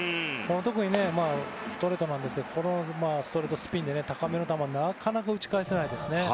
特に、ストレートなんですがストレートスピンで高めの球はなかなか打ち返せないですね。